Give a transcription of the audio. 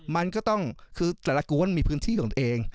มันก็ต้องคือแต่ละกวนมีพื้นที่ของตัวเอง